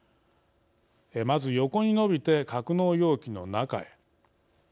まず横に伸びて格納容器の中へ。